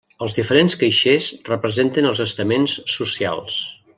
Els diferents caixers representen els estaments socials.